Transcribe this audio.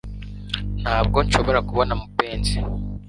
Ntabwo nshobora kubona mupenzi